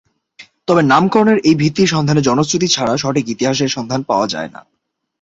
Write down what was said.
তবে নামকরণের এই ভিত্তির বিষয়ে জনশ্রুতি ছাড়া সঠিক ইতিহাস এর সন্ধান পাওয়া যায়না।